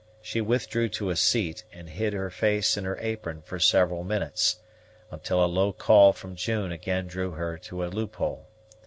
She withdrew to a seat, and hid her face in her apron for several minutes, until a low call from June again drew her to a loophole.